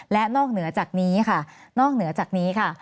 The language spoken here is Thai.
และนอกเหนือจากนี้ค่ะ